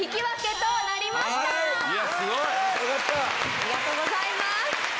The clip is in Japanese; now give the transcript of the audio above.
ありがとうございます！